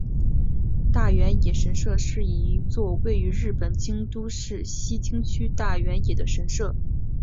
大原野神社是一座位于日本京都市西京区大原野的神社。